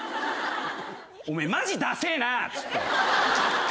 お前マジだせえな！っつって。